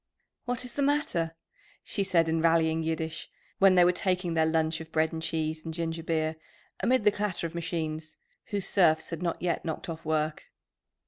"What is the matter?" she said in rallying Yiddish, when they were taking their lunch of bread and cheese and ginger beer, amid the clatter of machines, whose serfs had not yet knocked off work.